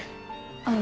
あの。